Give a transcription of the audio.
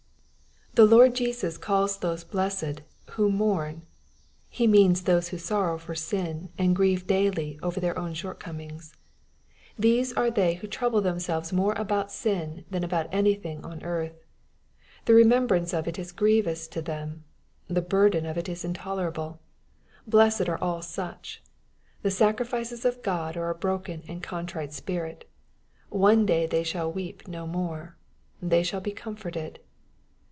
The Lord Jesus calls those blessed, who mourn. He means those who sorrow for sin, and grieve iaily over their own short comings. These are they who trouble them MATTHEW, CHAP. Y. 88 selyes more about sin than about anything oh earth. The remembrance of it is grievous to them. The bordeii of it is intolerable. Blessed are all such I ^^ The sacrifices of God are a broken and contrite spirit." One day they shall weep no more. " They shall be comforted."